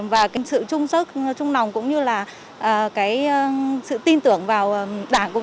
và cái sự trung sức trung lòng cũng như là cái sự tin tưởng vào đảng